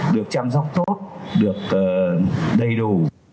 được chăm sóc tốt được đầy đủ